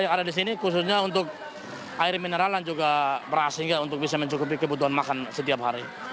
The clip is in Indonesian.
yang ada di sini khususnya untuk air mineral dan juga beras sehingga untuk bisa mencukupi kebutuhan makan setiap hari